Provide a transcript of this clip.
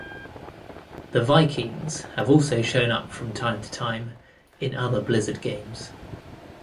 The Vikings have also shown up from time to time in other Blizzard games.